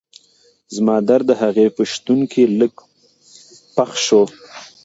زما درد د هغې په شتون کې لږ پڅ شو.